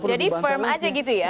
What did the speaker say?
jadi firm aja gitu ya